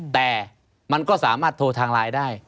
แต่มันก็สามารถโทรทางไลน์ได้